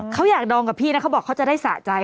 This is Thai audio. เขาอยากดองกับพี่นะเขาบอกเขาจะได้สะใจ